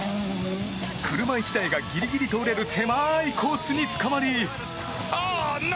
車１台がギリギリ通れる狭いコースにつかまり。